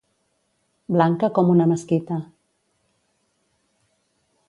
Blanca com una mesquita.